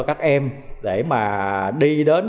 các em để mà đi đến